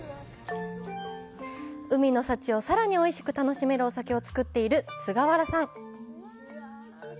海の幸をさらにおいしく楽しめるお酒を作っている、菅原さん。